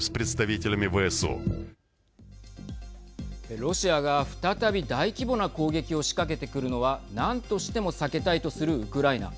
ロシアが再び大規模な攻撃を仕掛けてくるのは何としても避けたいとするウクライナ。